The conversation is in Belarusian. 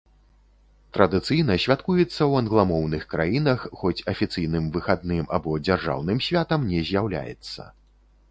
Традыцыйна святкуецца ў англамоўных краінах, хоць афіцыйным выхадным або дзяржаўным святам не з'яўляецца.